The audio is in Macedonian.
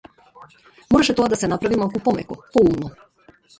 Мораше тоа да се направи малку помеко, поумно.